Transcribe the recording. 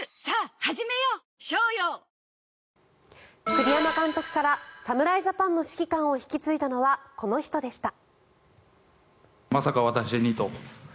栗山監督から侍ジャパンの指揮官を引き継いだのは、この人でした。